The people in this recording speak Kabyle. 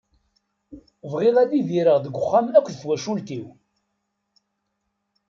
Bɣiɣ ad idireɣ deg uxxam akked twacult-iw.